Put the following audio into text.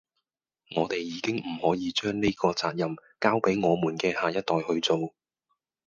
我地已經唔可以將呢個責任交俾我們既下一代去做